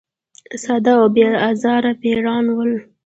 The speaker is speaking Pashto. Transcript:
ساده او بې آزاره پیران ول.